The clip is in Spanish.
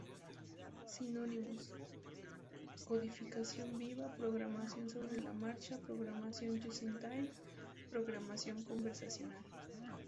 Sinónimos: Codificación viva, programación sobre la marcha, programación "just in time", programación conversacional.